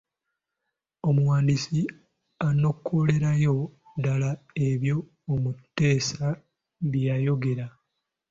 Omuwandiisi anokolerayo ddala ebyo omuteesa bye yayogera.